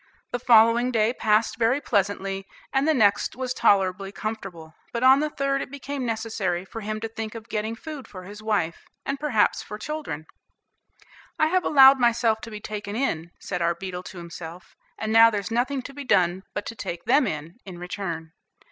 The following day passed very pleasantly, and the next was tolerably comfortable; but on the third it became necessary for him to think of getting food for his wife, and, perhaps, for children. "I have allowed myself to be taken in," said our beetle to himself, "and now there's nothing to be done but to take them in, in return."